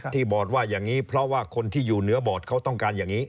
บอร์ดว่าอย่างนี้เพราะว่าคนที่อยู่เหนือบอร์ดเขาต้องการอย่างนี้